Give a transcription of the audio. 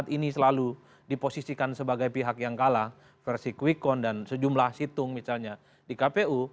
ini selalu diposisikan sebagai pihak yang kalah versi quickon dan sejumlah situng misalnya di kpu